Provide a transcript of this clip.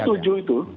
saya setuju itu